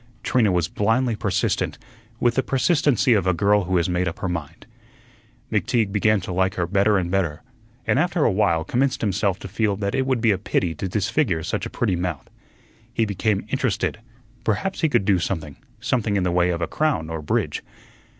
Trina was blindly persistent, with the persistency of a girl who has made up her mind. McTeague began to like her better and better, and after a while commenced himself to feel that it would be a pity to disfigure such a pretty mouth. He became interested; perhaps he could do something, something in the way of a crown or bridge.